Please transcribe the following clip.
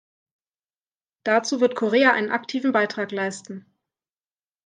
Dazu wird Korea einen aktiven Beitrag leisten.